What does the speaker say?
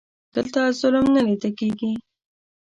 دلته ظلم نه لیده کیږي.